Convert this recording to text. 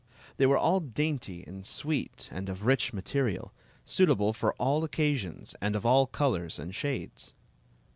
They were all dainty and sweet and of rich material, suitable for all occa sions, and of all colors and shades.